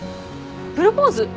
プロポーズ？